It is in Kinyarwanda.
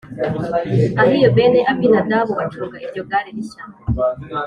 Ahiyo bene Abinadabu bacunga iryo gare rishya